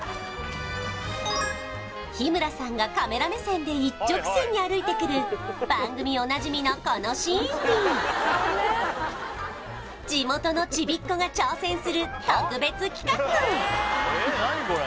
日村さんがカメラ目線で一直線に歩いてくる番組おなじみのこのシーンに地元のちびっ子が挑戦する特別企画